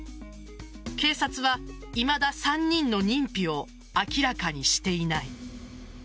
警察は、いまだ３人の認否を明らかにしていない。